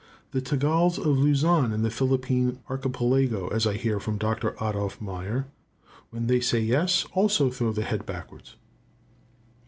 The Tagals of Luzon, in the Philippine Archipelago, as I hear from Dr. Adolf Meyer, when they say "yes," also throw the head backwards.